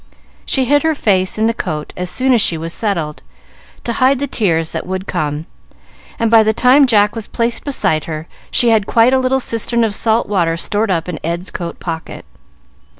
She hid her face in the coat as soon as she was settled, to hide the tears that would come, and by the time Jack was placed beside her, she had quite a little cistern of salt water stored up in Ed's coat pocket.